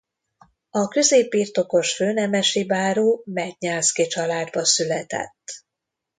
A középbirtokos főnemesi báró Mednyánszky családba született.